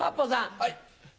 はい。